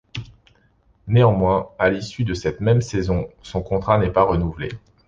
Néanmoins, à l'issue de cette même saison, son contrat n'est pas renouvelé.